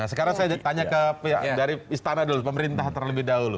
sekarang saya tanya ke pihak dari istana dulu pemerintah terlebih dahulu